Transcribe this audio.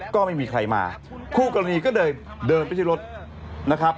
ก็ไม่มีใครมาคู่กรณีก็เลยเดินไปที่รถนะครับ